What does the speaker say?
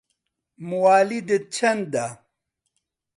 موالیدت چەندە؟